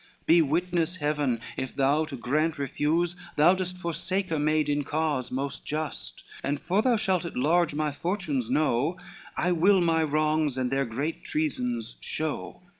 Be witness Heaven, if thou to grant refuse, Thou dost forsake a maid in cause most just, And for thou shalt at large my fortunes know, I will my wrongs and their great treasons show.